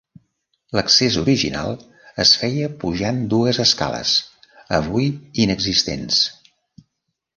L'accés original es feia pujant dues escales, avui inexistents.